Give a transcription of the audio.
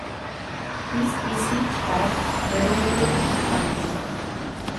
It is the seat of Berovo Municipality.